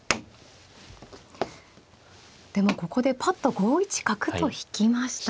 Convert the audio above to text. でもここでぱっと５一角と引きました。